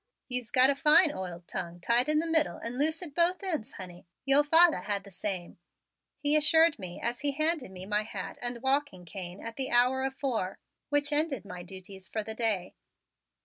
"You's got a fine oiled tongue tied in the middle and loose at both ends, honey. Yo' father had the same," he assured me as he handed me my hat and walking cane at the hour of four, which ended my duties for the day.